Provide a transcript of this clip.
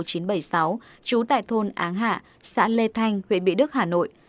trú tại thôn áng hạ xã lê thanh huyện mỹ đức hà nội